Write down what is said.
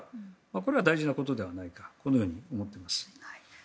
これは大事なことではないかと思っています。